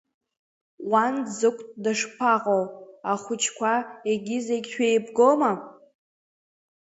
Уан Ӡыкәт дышԥаҟоу, ахәыҷқәа-егьи зегь шәеибгоума?